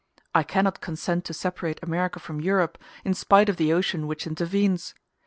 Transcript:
I cannot consent to separate America from Europe, in spite of the ocean which intervenes.